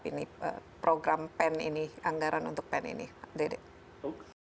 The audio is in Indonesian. jadi saya ingin mencoba untuk mencoba